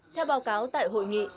theo báo cáo tại hội nghị